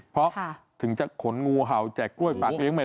เพราะถึงจะขนงูเห่าแจกกล้วยฝากเลี้ยใหม่